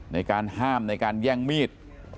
ในการห้ามในการแย่งมีด